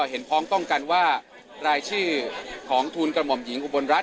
เห็นพ้องต้องกันว่ารายชื่อของทูลกระหม่อมหญิงอุบลรัฐ